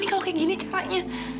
ini kalau kayak gini caranya